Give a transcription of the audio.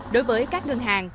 đối với các ngân hàng